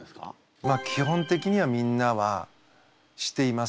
まあ基本的にはみんなはしています。